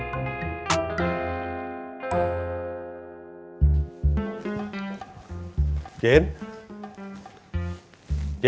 sentuh mereka gua